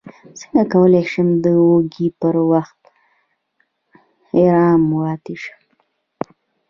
څنګه کولی شم د وږي پر وخت ارام پاتې شم